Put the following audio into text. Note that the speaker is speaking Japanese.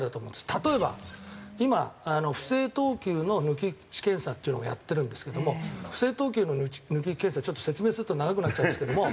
例えば今不正投球の抜き打ち検査っていうのをやってるんですけども不正投球の抜き打ち検査ちょっと説明すると長くなっちゃうんですけども。